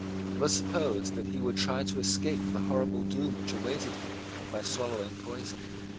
It was supposed that he would try to escape the horrible doom which awaited him by swallowing poison.